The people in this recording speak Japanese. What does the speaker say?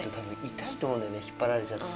痛いと思うんだよね、引っ張られちゃって。